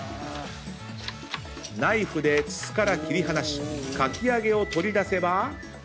ナイフで筒から切り離しかき揚げを取り出せば。